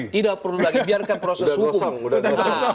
tidak perlu digoreng lagi